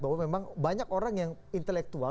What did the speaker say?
bahwa memang banyak orang yang intelektual